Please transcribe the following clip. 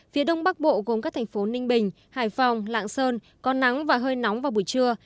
phía đông bắc bộ gồm các thành phố ninh bình hải phòng lạng sơn có nắng và hơi nóng vào buổi trưa